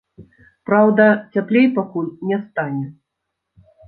Праўда, цяплей пакуль не стане.